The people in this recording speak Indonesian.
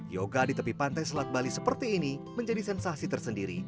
yoga di tepi pantai selat bali seperti ini menjadi sensasi tersendiri